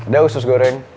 dah usus goreng